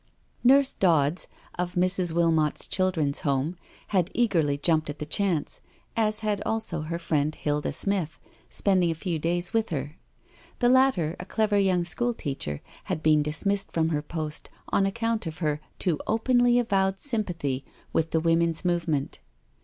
Nurse Dodds, of Mrs. Wilmot's Children's HomCi had eagerly jumped at the chance^ as had also her friend Hilda Smith, spending a few days with her. The latter, a clever young school teacher, had been dismissed from her post on account of her too openly avowed sympathy with the Woman's Movement.